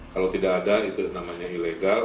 kalau tidak ada itu namanya ilegal